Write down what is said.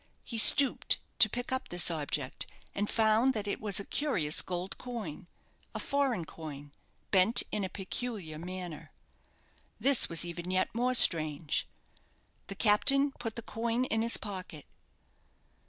He stooped to pick up this object, and found that it was a curious gold coin a foreign coin, bent in a peculiar manner. This was even yet more strange. The captain put the coin in his pocket.